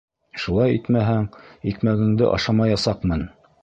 Шулай итмәһәң, икмәгеңде ашамаясаҡмын.